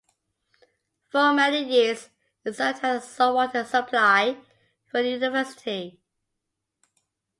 For many years, it served as the sole water supply for the university.